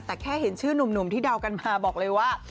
แต่แค่เห็นชื่อหนุ่มที่เดากันมาบอกเลยว่า